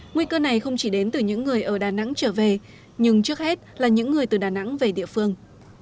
nguy cơ này không chỉ đến từ những người ở đà nẵng trở về nhưng trước hết là những người từ đà nẵng về địa phương